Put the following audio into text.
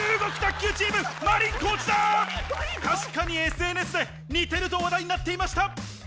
確かにＳＮＳで似てると話題になっていました！